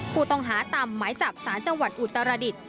ผู้ต้องหาตามหมายจับสารจังหวัดอุตรดิษฐ์